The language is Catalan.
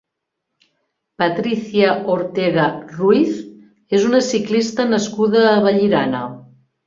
Patricia Ortega Ruiz és una ciclista nascuda a Vallirana.